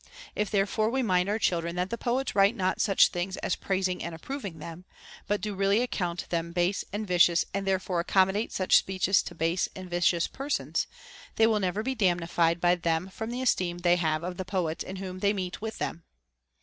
If therefore we mind our children that the poets write not such things as prais ing and approving them, but do really account them base and vicious and therefore accommodate such speeches to * Eurip. Phoeniss. 524. t From Menander. 52 HOW A YOUNG MAN OUGHT base and vicious persons, they will never be damnified by tliem from the esteem they have of the poets in whom they meet with them.